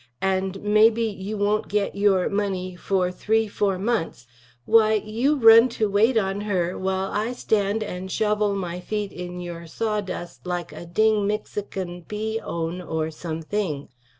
& may be you wont get youre munny for three 4 munths, wy you run to wate on her while I stand & shovle my feet in youre saw dust like a ding mexican pea own or some thing.